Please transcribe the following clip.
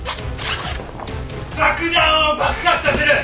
爆弾を爆発させる！